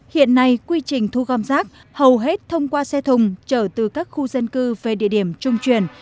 hiện nay quy trình thu gom rác hầu hết thông qua xe thùng trở từ các khu dân cư về địa điểm trung truyền